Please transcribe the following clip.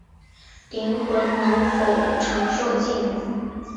灵魂能否承受寂寞